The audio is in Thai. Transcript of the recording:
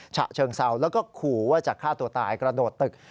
ฉะเชิงเซาแล้วก็ขู่ว่าจะฆ่าตัวตายกระโดดตึก